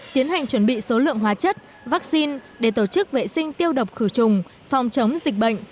tiến hành chuẩn bị số lượng hóa chất vaccine để tổ chức vệ sinh tiêu độc khử trùng phòng chống dịch bệnh